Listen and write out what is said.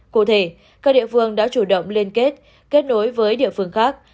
cụ thể các địa phương đã chủ động liên kết kết nối với địa phương khác